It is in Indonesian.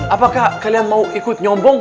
apakah kalian mau ikut nyombong